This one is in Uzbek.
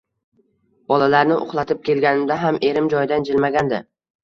Bolalarni uxlatib kelganimda ham erim joyidan jilmagandi